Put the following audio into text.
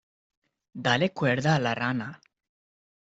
Dale cuerda a la rana.